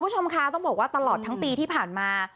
คุณผู้ชมคะต้องบอกว่าตลอดทั้งปีที่ผ่านมา